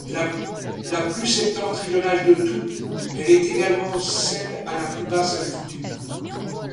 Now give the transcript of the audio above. La plus septentrionale de toutes, elle est également celle à la plus basse altitude.